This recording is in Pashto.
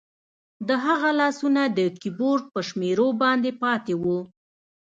د هغه لاسونه د کیبورډ په شمیرو باندې پاتې وو